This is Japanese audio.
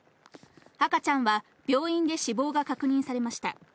赤ちゃんは病院で死亡が確認されました。